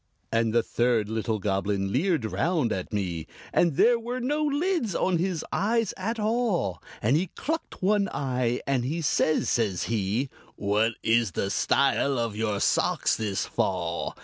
And the third little Goblin leered round at me And there were no lids on his eyes at all And he clucked one eye, and he says, says he, "What is the style of your socks this fall?"